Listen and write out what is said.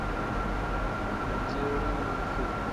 Mo jerre rĩĩ ma fîi.